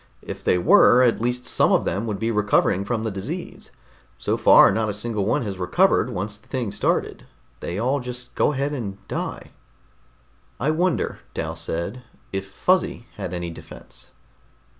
If they were, at least some of them would be recovering from the disease. So far not a single one has recovered once the thing started. They all just go ahead and die." "I wonder," Dal said, "if Fuzzy had any defense."